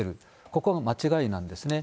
ここが間違いなんですね。